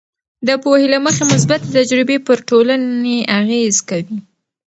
د پوهې له مخې، مثبتې تجربې پر ټولنې اغیز کوي.